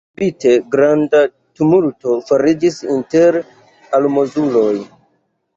Subite granda tumulto fariĝis inter almozuloj.